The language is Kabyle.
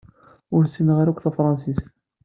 Ur ssineɣ akk tafransist.